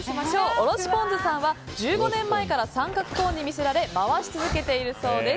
おろしぽんづさんは１５年前から三角コーンに魅せられ回し続けているそうです。